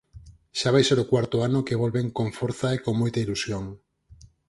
Xa vai ser o cuarto ano que volven con forza e con moita ilusión.